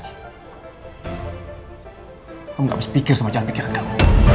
aku gak bisa pikir semacam pikiran kau